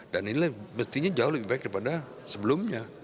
dan ini mestinya jauh lebih baik daripada sebelumnya